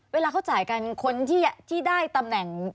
เวลาเขาจ่ายกันคนที่ได้ตำแหน่ง